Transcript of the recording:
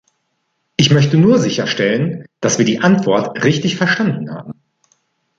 Ich möchte nur sicherstellen, dass wir die Antwort richtig verstanden haben.